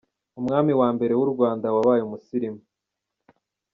Umwami wa mbere w’u Rwanda wabaye umusilimu.